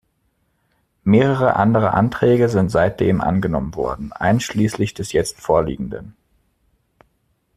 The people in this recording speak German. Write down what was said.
Mehrere andere Anträge sind seitdem angenommen worden, einschließlich des jetzt vorliegenden.